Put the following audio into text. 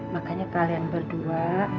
makanya kalian berdua